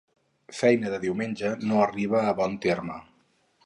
Feina de diumenge no arriba a bon terme.